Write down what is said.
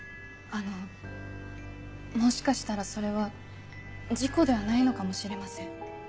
あのもしかしたらそれは事故ではないのかもしれません。